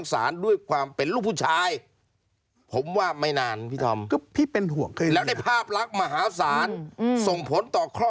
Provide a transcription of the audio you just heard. ส่งผลต่อหลายประการ